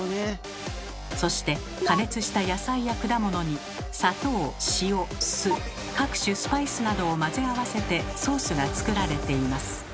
そして加熱した野菜や果物に砂糖・塩・酢・各種スパイスなどを混ぜ合わせてソースが作られています。